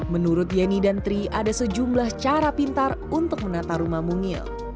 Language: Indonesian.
menurut yeni dan tri ada sejumlah cara pintar untuk menata rumah mungil